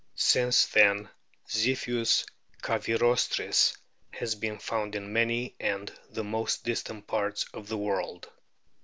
Since then Ziphius cavirostris has been found in many and the most distant parts of the world.